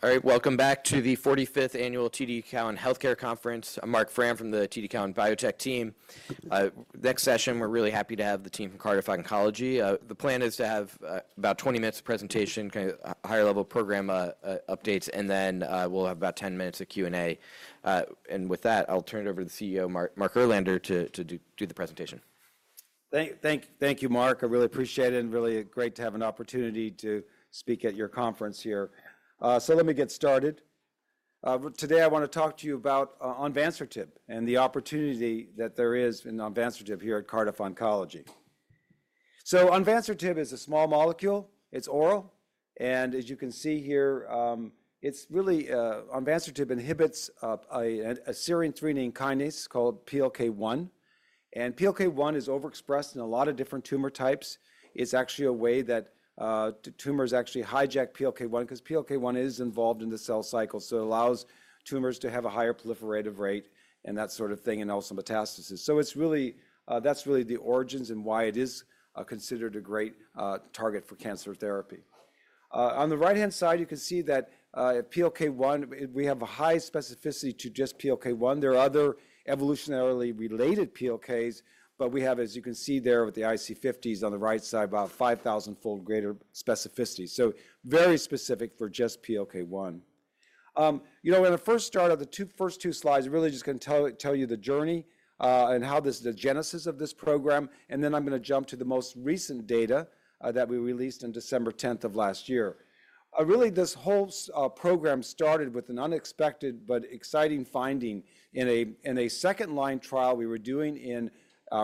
All right, welcome back to the 45th Annual TD Cowen Healthcare Conference. I'm Marc Frahm from the TD Cowen Biotech team. Next session, we're really happy to have the team from Cardiff Oncology. The plan is to have about 20 minutes of presentation, kind of higher level program updates, and then we'll have about 10 minutes of Q&A. With that, I'll turn it over to the CEO, Mark Erlander, to do the presentation. Thank you, Marc. I really appreciate it and really great to have an opportunity to speak at your conference here. Let me get started. Today I want to talk to you about onvansertib and the opportunity that there is in onvansertib here at Cardiff Oncology. Onvansertib is a small molecule. It's oral. As you can see here, onvansertib inhibits a serine-threonine kinase called PLK1. PLK1 is overexpressed in a lot of different tumor types. It's actually a way that tumors actually hijack PLK1 because PLK1 is involved in the cell cycle. It allows tumors to have a higher proliferative rate and that sort of thing, and also metastasis. That's really the origins and why it is considered a great target for cancer therapy. On the right-hand side, you can see that at PLK1, we have a high specificity to just PLK1. There are other evolutionarily related PLKs, but we have, as you can see there with the IC50s on the right side, about 5,000-fold greater specificity. So very specific for just PLK1. You know, when I first started the first two slides, I'm really just going to tell you the journey and how this is the genesis of this program. And then I'm going to jump to the most recent data that we released on December 10th of last year. Really, this whole program started with an unexpected but exciting finding in a second-line trial we were doing in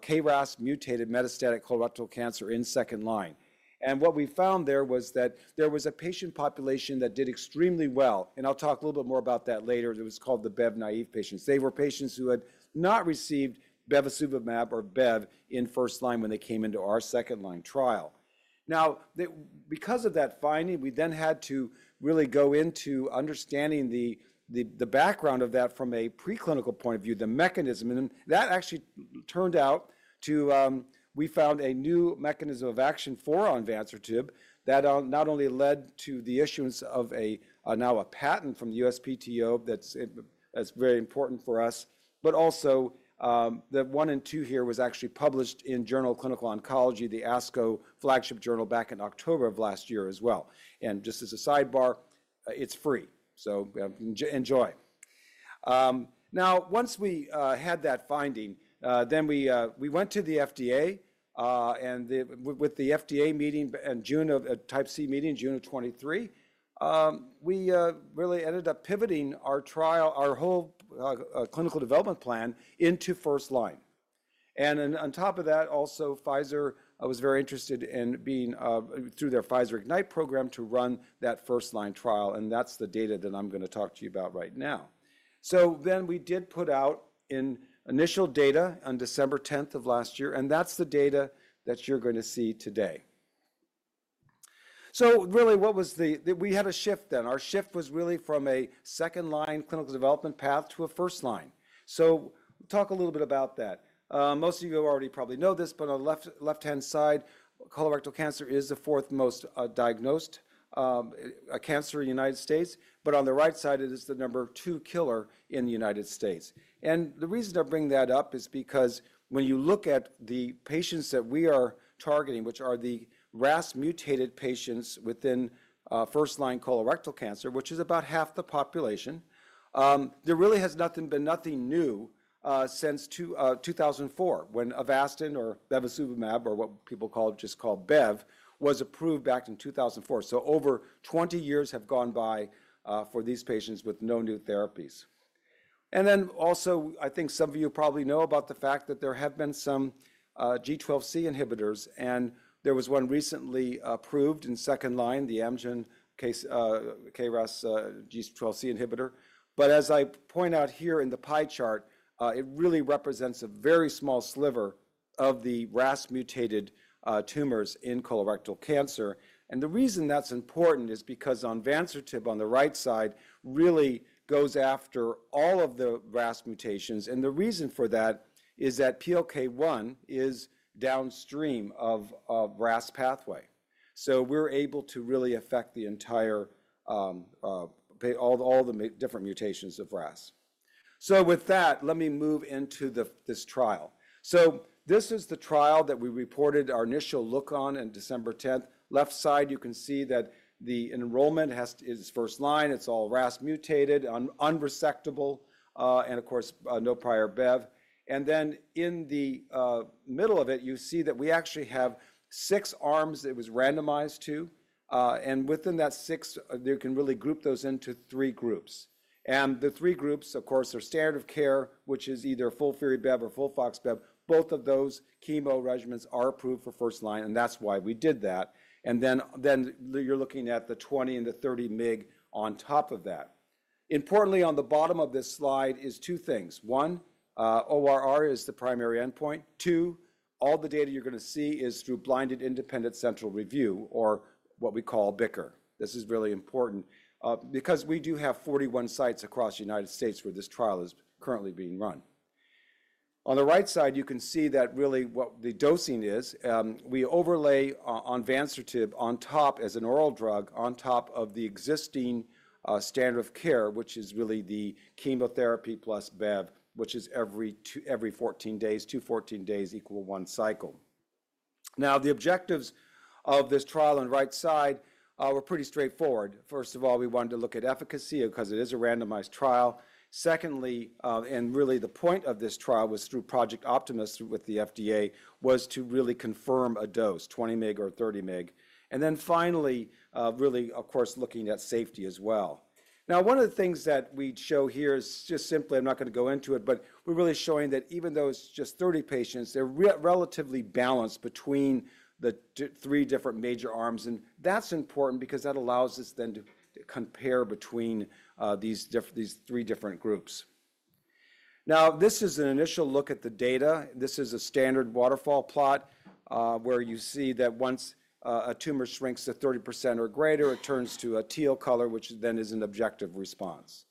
KRAS mutated metastatic colorectal cancer in second line. And what we found there was that there was a patient population that did extremely well. And I'll talk a little bit more about that later. It was called the bev-naive patients. They were patients who had not received bevacizumab or bev in first line when they came into our second-line trial. Now, because of that finding, we then had to really go into understanding the background of that from a preclinical point of view, the mechanism. That actually turned out to we found a new mechanism of action for onvansertib that not only led to the issuance of now a patent from the USPTO that's very important for us, but also that one and two here was actually published in Journal of Clinical Oncology, the ASCO flagship journal back in October of last year as well. Just as a sidebar, it's free. So enjoy. Now, once we had that finding, we went to the FDA. With the FDA meeting in June, a Type C meeting in June of 2023, we really ended up pivoting our trial, our whole clinical development plan into first line. On top of that, also Pfizer was very interested in being through their Pfizer Ignite program to run that first line trial. That is the data that I'm going to talk to you about right now. We did put out initial data on December 10th of last year. That is the data that you're going to see today. What was the, we had a shift then. Our shift was really from a second-line clinical development path to a first line. Talk a little bit about that. Most of you already probably know this, but on the left-hand side, colorectal cancer is the fourth most diagnosed cancer in the United States. On the right side, it is the number two killer in the United States. The reason I bring that up is because when you look at the patients that we are targeting, which are the RAS mutated patients within first line colorectal cancer, which is about half the population, there really has been nothing new since 2004 when Avastin or bevacizumab or what people just call bev was approved back in 2004. Over 20 years have gone by for these patients with no new therapies. I think some of you probably know about the fact that there have been some G12C inhibitors. There was one recently approved in second line, the Amgen KRAS G12C inhibitor. As I point out here in the pie chart, it really represents a very small sliver of the RAS mutated tumors in colorectal cancer. The reason that's important is because onvansertib on the right side really goes after all of the RAS mutations. The reason for that is that PLK1 is downstream of the RAS pathway. We're able to really affect all the different mutations of RAS. With that, let me move into this trial. This is the trial that we reported our initial look on December 10th. Left side, you can see that the enrollment is first line. It's all RAS mutated, unresectable, and of course, no prior bev. In the middle of it, you see that we actually have six arms it was randomized to. Within that six, they can really group those into three groups. The three groups, of course, are standard of care, which is either FOLFIRI + bev or FOLFOX + bev. Both of those chemo regimens are approved for first line. That's why we did that. Then you're looking at the 20 and the 30 mg on top of that. Importantly, on the bottom of this slide is two things. One, ORR is the primary endpoint. Two, all the data you're going to see is through blinded independent central review or what we call BICR. This is really important because we do have 41 sites across the United States where this trial is currently being run. On the right side, you can see that really what the dosing is. We overlay onvansertib on top as an oral drug on top of the existing standard of care, which is really the chemotherapy plus bev, which is every 14 days, two 14 days equal one cycle. Now, the objectives of this trial on the right side were pretty straightforward. First of all, we wanted to look at efficacy because it is a randomized trial. Secondly, and really the point of this trial was through Project Optimist with the FDA, was to really confirm a dose, 20 mg or 30 mg. Finally, really, of course, looking at safety as well. Now, one of the things that we show here is just simply, I'm not going to go into it, but we're really showing that even though it's just 30 patients, they're relatively balanced between the three different major arms. That's important because that allows us then to compare between these three different groups. This is an initial look at the data. This is a standard waterfall plot where you see that once a tumor shrinks to 30% or greater, it turns to a teal color, which then is an objective response.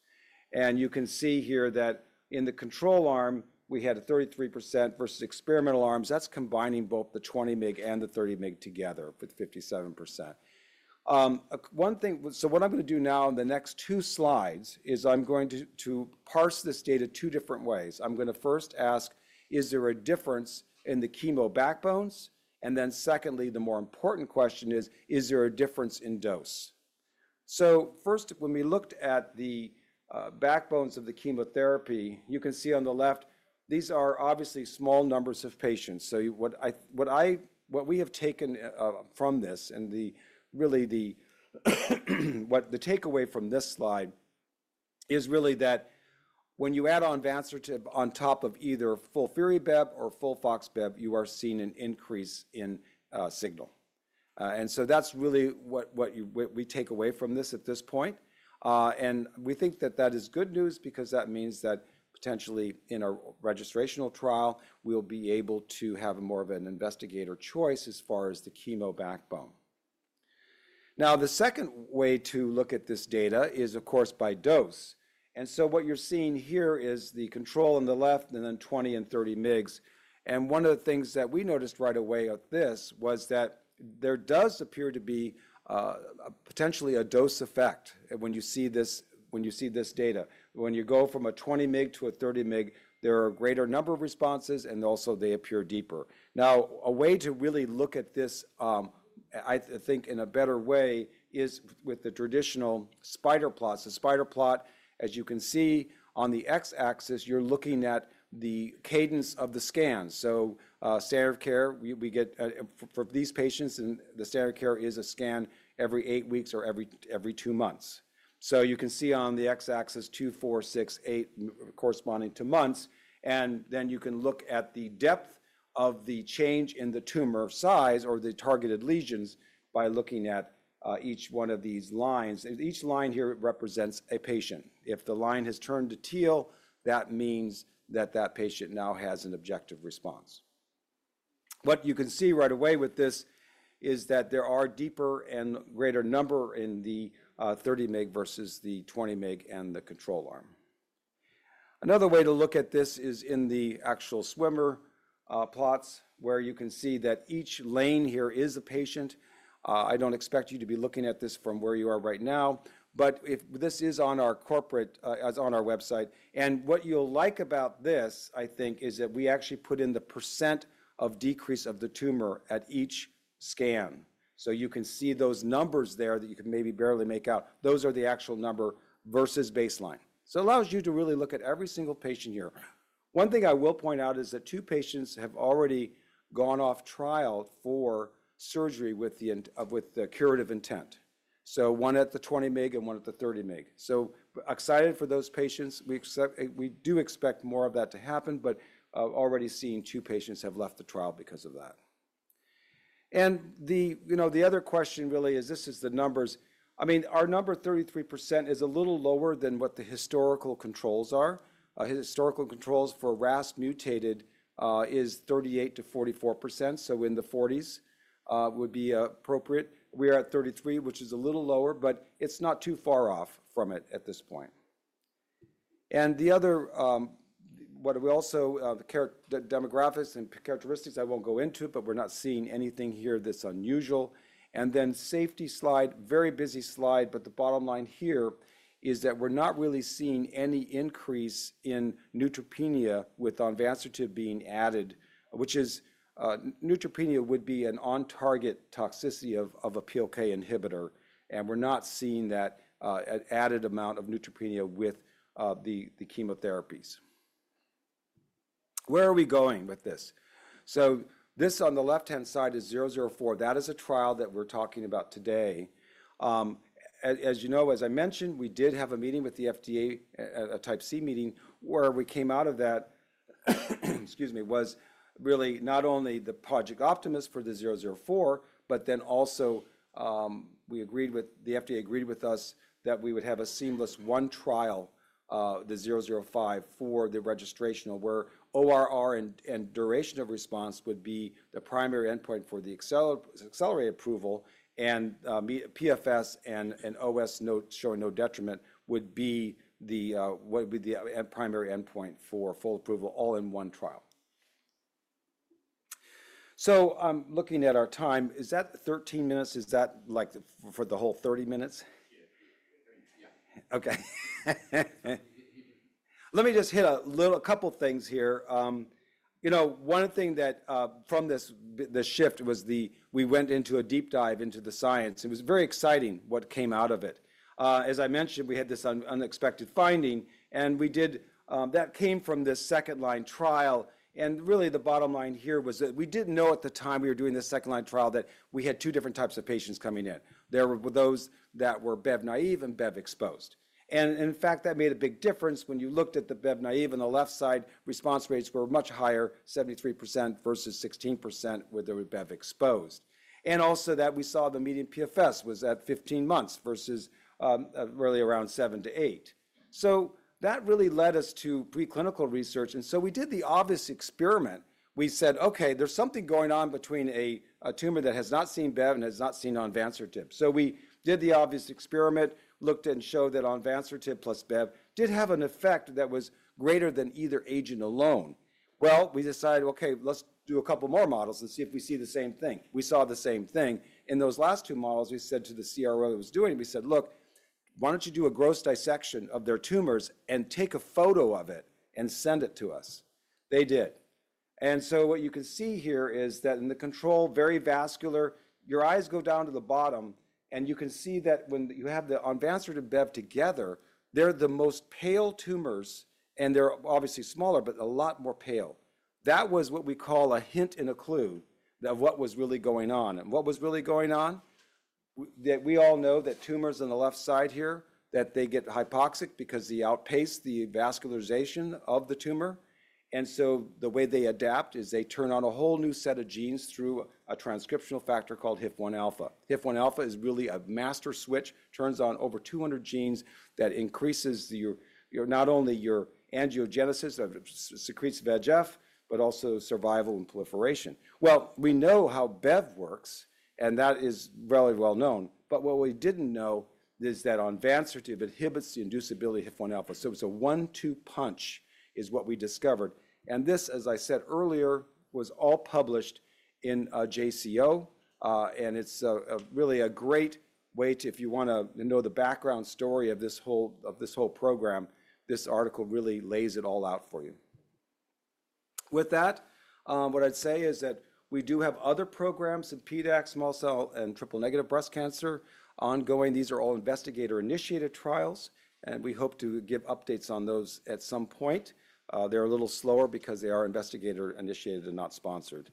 You can see here that in the control arm, we had a 33% versus experimental arms. That's combining both the 20 mg and the 30 mg together with 57%. What I'm going to do now in the next two slides is I'm going to parse this data two different ways. I'm going to first ask, is there a difference in the chemo backbones? The more important question is, is there a difference in dose? First, when we looked at the backbones of the chemotherapy, you can see on the left, these are obviously small numbers of patients. What we have taken from this and really what the takeaway from this slide is really that when you add onvansertib on top of either FOLFIRI + bev or FOLFOX + bev, you are seeing an increase in signal. That is really what we take away from this at this point. We think that that is good news because that means that potentially in a registrational trial, we'll be able to have more of an investigator choice as far as the chemo backbone. The second way to look at this data is, of course, by dose. What you're seeing here is the control on the left and then 20 mg and 30 mg. One of the things that we noticed right away with this was that there does appear to be potentially a dose effect when you see this data. When you go from a 20 mg to a 30 mg, there are a greater number of responses and also they appear deeper. A way to really look at this, I think in a better way, is with the traditional spider plots. The spider plot, as you can see on the X axis, you're looking at the cadence of the scans. Standard of care, we get for these patients, and the standard of care is a scan every eight weeks or every two months. You can see on the X axis, two, four, six, eight corresponding to months. You can look at the depth of the change in the tumor size or the targeted lesions by looking at each one of these lines. Each line here represents a patient. If the line has turned to teal, that means that that patient now has an objective response. What you can see right away with this is that there are deeper and greater numbers in the 30 mg versus the 20 mg and the control arm. Another way to look at this is in the actual swimmer plots where you can see that each lane here is a patient. I don't expect you to be looking at this from where you are right now, but this is on our corporate, on our website. What you'll like about this, I think, is that we actually put in the % of decrease of the tumor at each scan. You can see those numbers there that you can maybe barely make out. Those are the actual number versus baseline. It allows you to really look at every single patient here. One thing I will point out is that two patients have already gone off trial for surgery with the curative intent. One at the 20 mg and one at the 30 mg. Excited for those patients. We do expect more of that to happen, but already seeing two patients have left the trial because of that. The other question really is this is the numbers. I mean, our number 33% is a little lower than what the historical controls are. Historical controls for RAS mutated is 38%-44%. So in the 40s would be appropriate. We are at 33%, which is a little lower, but it's not too far off from it at this point. The other what we also the demographics and characteristics I won't go into, but we're not seeing anything here that's unusual. The safety slide, very busy slide, but the bottom line here is that we're not really seeing any increase in neutropenia with onvansertib being added, which is neutropenia would be an on-target toxicity of a PLK1 inhibitor. We're not seeing that added amount of neutropenia with the chemotherapies. Where are we going with this? This on the left-hand side is 004. That is a trial that we're talking about today. As you know, as I mentioned, we did have a meeting with the FDA, a Type C meeting where we came out of that, excuse me, was really not only the Project Optimus for the 004, but then also we agreed with the FDA, agreed with us that we would have a seamless one trial, the 005, for the registrational where ORR and duration of response would be the primary endpoint for the accelerated approval. PFS and OS showing no detriment would be the primary endpoint for full approval all in one trial. I'm looking at our time. Is that 13 minutes? Is that like for the whole 30 minutes? Yeah. Okay. Let me just hit a couple of things here. One thing that from this shift was we went into a deep dive into the science. It was very exciting what came out of it. As I mentioned, we had this unexpected finding. That came from this second line trial. Really the bottom line here was that we did not know at the time we were doing this second line trial that we had two different types of patients coming in. There were those that were bev-naive and bev exposed. In fact, that made a big difference when you looked at the bev-naive on the left side, response rates were much higher, 73% versus 16% with the bev exposed. Also, we saw the median PFS was at 15 months versus really around seven to eight. That really led us to preclinical research. We did the obvious experiment. We said, okay, there's something going on between a tumor that has not seen bev and has not seen onvansertib. We did the obvious experiment, looked and showed that onvansertib plus bev did have an effect that was greater than either agent alone. We decided, okay, let's do a couple more models and see if we see the same thing. We saw the same thing. In those last two models, we said to the CRO that was doing it, look, why don't you do a gross dissection of their tumors and take a photo of it and send it to us. They did. What you can see here is that in the control, very vascular, your eyes go down to the bottom. You can see that when you have the onvansertib and bev together, they're the most pale tumors. They're obviously smaller, but a lot more pale. That was what we call a hint and a clue of what was really going on. What was really going on? We all know that tumors on the left side here, that they get hypoxic because they outpace the vascularization of the tumor. The way they adapt is they turn on a whole new set of genes through a transcriptional factor called HIF-1 alpha. HIF-1 alpha is really a master switch, turns on over 200 genes that increases not only your angiogenesis of secretes VEGF, but also survival and proliferation. We know how bev works, and that is really well known. What we didn't know is that onvansertib inhibits the inducibility of HIF-1 alpha. It's a one-two punch is what we discovered. And this, as I said earlier, was all published in JCO. It's really a great way to, if you want to know the background story of this whole program, this article really lays it all out for you. With that, what I'd say is that we do have other programs in PDAC, small cell, and triple negative breast cancer ongoing. These are all investigator-initiated trials. We hope to give updates on those at some point. They're a little slower because they are investigator-initiated and not sponsored.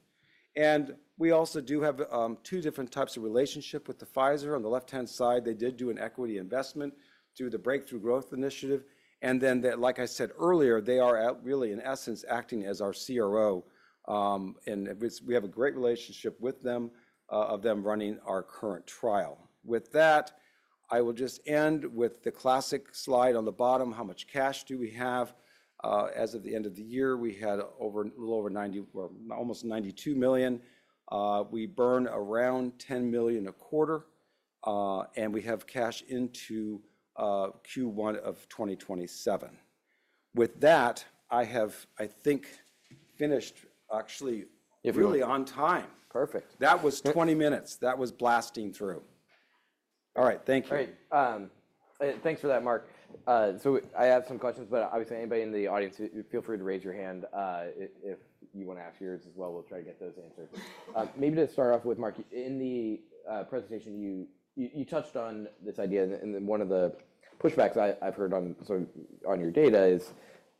We also do have two different types of relationship with Pfizer. On the left-hand side, they did do an equity investment through the Breakthrough Growth Initiative. Like I said earlier, they are really in essence acting as our CRO. We have a great relationship with them, of them running our current trial. With that, I will just end with the classic slide on the bottom. How much cash do we have? As of the end of the year, we had a little over $90 million or almost $92 million. We burn around $10 million a quarter. We have cash into Q1 of 2027. With that, I have, I think, finished actually really on time. Perfect. That was 20 minutes. That was blasting through. All right. Thank you. Great. Thanks for that, Mark. I have some questions, but obviously anybody in the audience, feel free to raise your hand if you want to ask yours as well. We will try to get those answered. Maybe to start off with, Mark, in the presentation, you touched on this idea. One of the pushbacks I've heard on your data is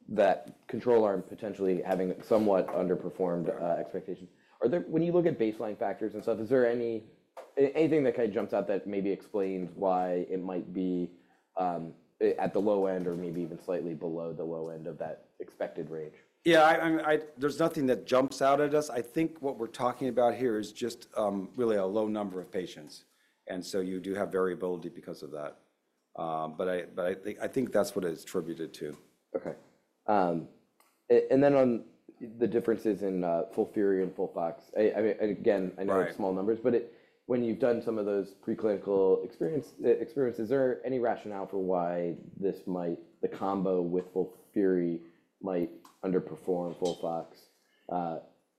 that control arm potentially having somewhat underperformed expectations. When you look at baseline factors and stuff, is there anything that kind of jumps out that maybe explains why it might be at the low end or maybe even slightly below the low end of that expected range? Yeah, there's nothing that jumps out at us. I think what we're talking about here is just really a low number of patients. You do have variability because of that. I think that's what it's attributed to. Okay. On the differences in FOLFIRI and FOLFOX, again, I know it's small numbers, but when you've done some of those preclinical experiences, is there any rationale for why this might, the combo with FOLFIRI might underperform FOLFOX,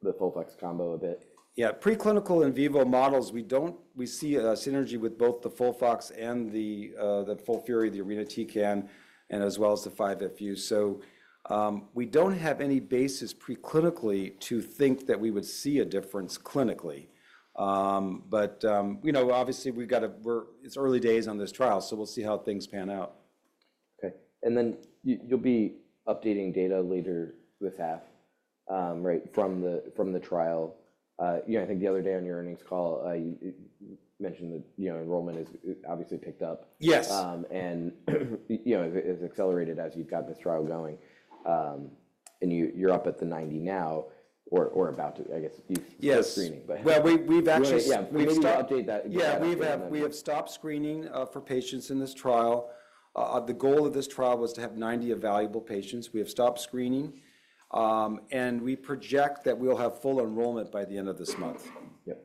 the FOLFOX combo a bit? Yeah, preclinical in vivo models, we see a synergy with both the FOLFOX and the FOLFIRI, the Arena Tecan, and as well as the 5-FU. We do not have any basis preclinically to think that we would see a difference clinically. Obviously, we have to, it is early days on this trial, so we will see how things pan out. Okay. You will be updating data later with half, right, from the trial. I think the other day on your earnings call, you mentioned that enrollment has obviously picked up. Yes. It has accelerated as you have got this trial going. You are up at the 90 now or about to, I guess, you have stopped screening, but. We have actually... Yeah, we need to update that. We have stopped screening for patients in this trial. The goal of this trial was to have 90 available patients. We have stopped screening. We project that we'll have full enrollment by the end of this month. Yep.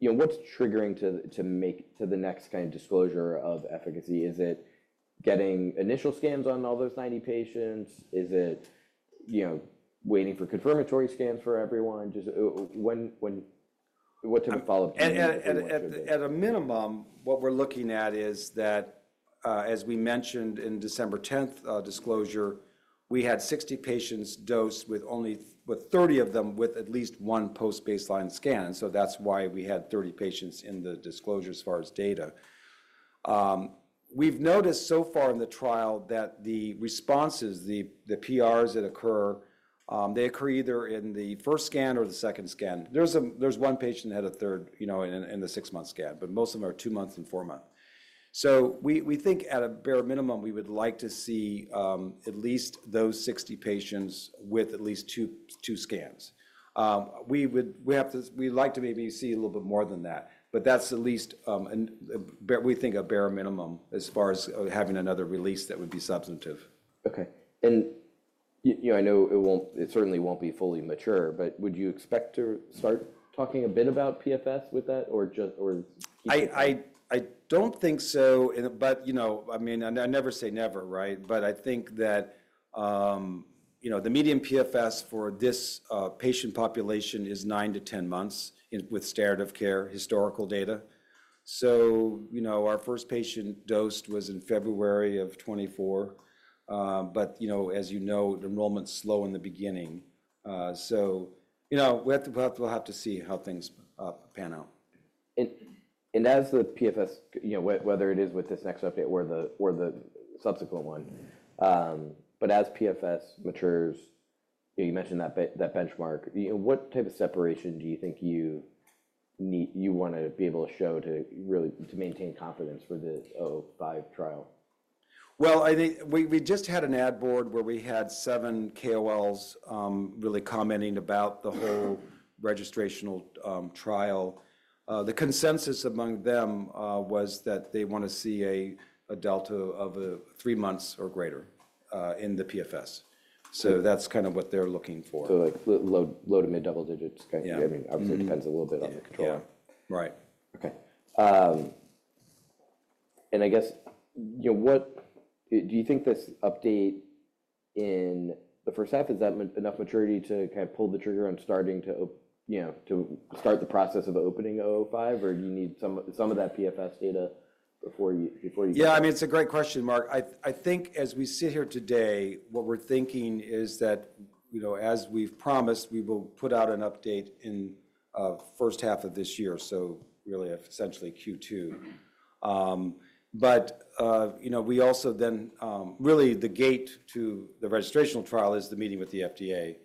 What's triggering to make to the next kind of disclosure of efficacy? Is it getting initial scans on all those 90 patients? Is it waiting for confirmatory scans for everyone? What type of follow-up do you think is necessary? At a minimum, what we're looking at is that, as we mentioned in December 10th disclosure, we had 60 patients dosed with 30 of them with at least one post-baseline scan. That's why we had 30 patients in the disclosure as far as data. We've noticed so far in the trial that the responses, the PRs that occur, they occur either in the first scan or the second scan. There's one patient that had a third in the six-month scan, but most of them are two-month and four-month. We think at a bare minimum, we would like to see at least those 60 patients with at least two scans. We like to maybe see a little bit more than that, but that is at least what we think is a bare minimum as far as having another release that would be substantive. Okay. I know it certainly will not be fully mature, but would you expect to start talking a bit about PFS with that or just keep it? I do not think so, but I mean, I never say never, right? I think that the median PFS for this patient population is 9-10 months with standard of care historical data. Our first patient dosed was in February of 2024. As you know, enrollment is slow in the beginning. We will have to see how things pan out. As the PFS, whether it is with this next update or the subsequent one, but as PFS matures, you mentioned that benchmark. What type of separation do you think you want to be able to show to maintain confidence for the 05 trial? We just had an ad board where we had seven KOLs really commenting about the whole registrational trial. The consensus among them was that they want to see a delta of three months or greater in the PFS. That is kind of what they are looking for. Low to mid double digits. I mean, obviously, it depends a little bit on the control. Right. Okay. I guess, do you think this update in the first half, is that enough maturity to kind of pull the trigger on starting to start the process of opening 05? Do you need some of that PFS data before you? Yeah, I mean, it's a great question, Marc. I think as we sit here today, what we're thinking is that as we've promised, we will put out an update in the first half of this year, so really essentially Q2. We also then really the gate to the registrational trial is the meeting with the FDA.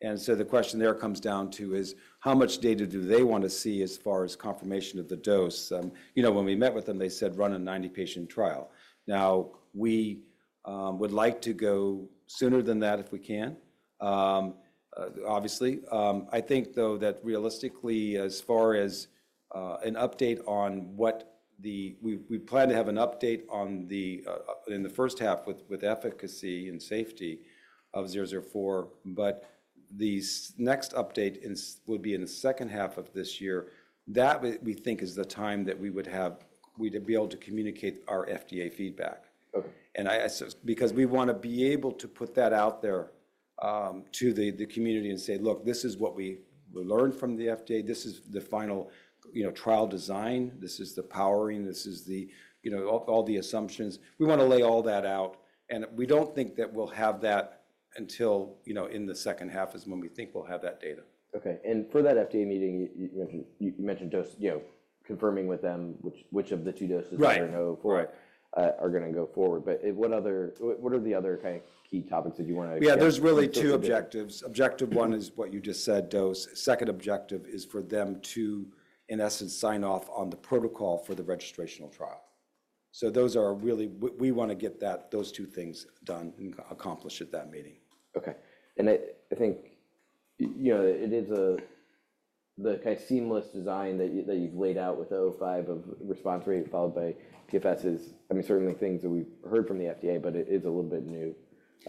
The question there comes down to is how much data do they want to see as far as confirmation of the dose? When we met with them, they said run a 90-patient trial. Now, we would like to go sooner than that if we can, obviously. I think, though, that realistically, as far as an update on what we plan to have an update on in the first half with efficacy and safety of 004, the next update would be in the second half of this year. That is the time that we would have to be able to communicate our FDA feedback. We want to be able to put that out there to the community and say, look, this is what we learned from the FDA. This is the final trial design. This is the powering. This is all the assumptions. We want to lay all that out. We do not think that we will have that until the second half is when we think we will have that data. Okay. For that FDA meeting, you mentioned confirming with them which of the two doses are going to go forward. What are the other kind of key topics that you want to? Yeah, there's really two objectives. Objective one is what you just said, dose. Second objective is for them to, in essence, sign off on the protocol for the registrational trial. Those are really we want to get those two things done and accomplish at that meeting. Okay. I think it is the kind of seamless design that you've laid out with the 05 of response rate followed by PFS is, I mean, certainly things that we've heard from the FDA, but it is a little bit new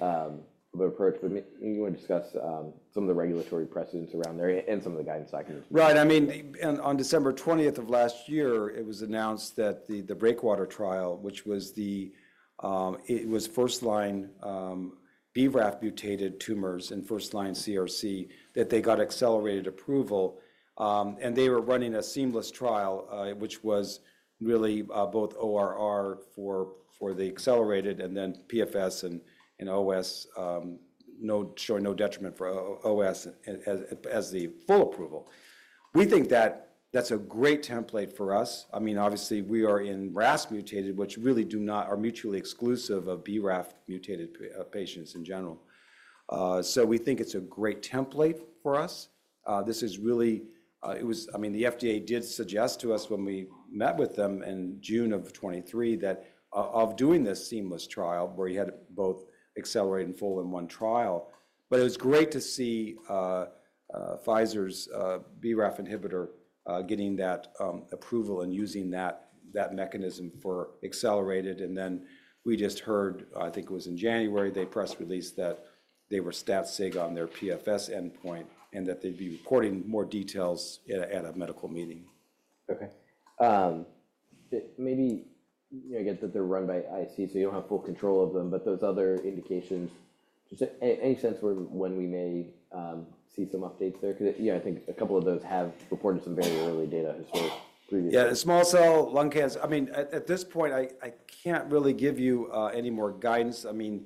of an approach. You want to discuss some of the regulatory precedents around there and some of the guidance documents. Right. I mean, on December 20th of last year, it was announced that the Breakwater Trial, which was the first-line BRAF mutated tumors and first-line CRC, that they got accelerated approval. They were running a seamless trial, which was really both ORR for the accelerated and then PFS and OS, showing no detriment for OS as the full approval. We think that that's a great template for us. I mean, obviously, we are in RAS mutated, which really are mutually exclusive of BRAF mutated patients in general. We think it's a great template for us. This is really, I mean, the FDA did suggest to us when we met with them in June of 2023 that of doing this seamless trial where you had both accelerated and full-in-one trial. It was great to see Pfizer's BRAF inhibitor getting that approval and using that mechanism for accelerated. We just heard, I think it was in January, they press released that they were stat-sig on their PFS endpoint and that they'd be reporting more details at a medical meeting. Okay. Maybe I guess that they're run by IC, so you don't have full control of them. Those other indications, does it make sense when we may see some updates there? I think a couple of those have reported some very early data historically. Yeah, small cell lung cancer. I mean, at this point, I can't really give you any more guidance. I mean,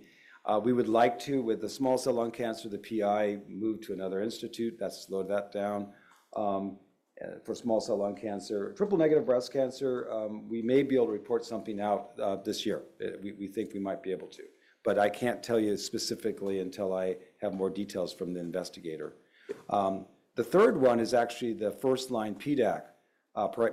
we would like to, with the small cell lung cancer, the PI moved to another institute. That slowed that down for small cell lung cancer. Triple negative breast cancer, we may be able to report something out this year. We think we might be able to. I can't tell you specifically until I have more details from the investigator. The third one is actually the first-line PDAC,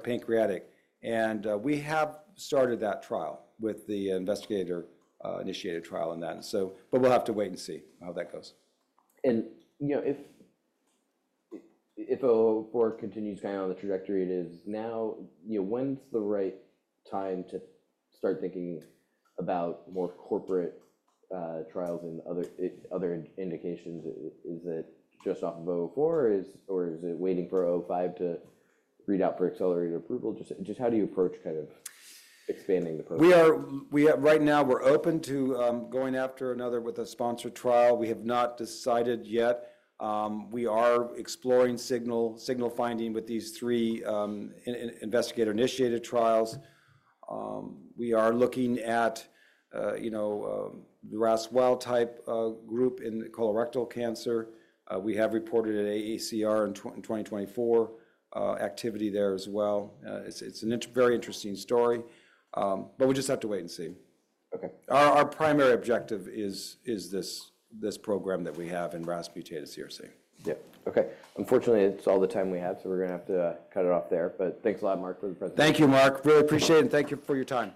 pancreatic. We have started that trial with the investigator-initiated trial on that. We'll have to wait and see how that goes. If the board continues kind of on the trajectory it is now, when's the right time to start thinking about more corporate trials and other indications? Is it just off of 04, or is it waiting for 05 to read out for accelerated approval? Just how do you approach kind of expanding the program? Right now, we're open to going after another with a sponsored trial. We have not decided yet. We are exploring signal finding with these three investigator-initiated trials. We are looking at the RAS wild-type group in colorectal cancer. We have reported at AACR in 2024 activity there as well. It's a very interesting story. We just have to wait and see. Our primary objective is this program that we have in RAS mutated CRC. Yeah. Okay. Unfortunately, it's all the time we have, so we're going to have to cut it off there. Thanks a lot, Marc, for the presentation. Thank you, Marc. Really appreciate it. Thank you for your time.